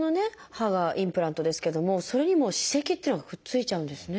歯がインプラントですけどもそれにも歯石っていうのがくっついちゃうんですね。